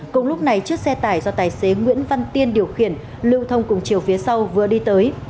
cùng lúc này chiếc xe tải do tài xế nguyễn văn tiên điều khiển lưu thông cùng chiều phía sau vừa đi tới